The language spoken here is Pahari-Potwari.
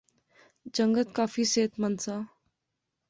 جنگت کافی صحت مند سا